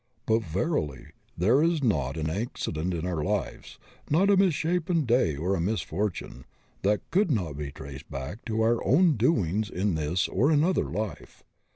But verily there is not an accident in our lives, not a misshapen day or a misfortune, that could not be traced back to our own doings in this or another life.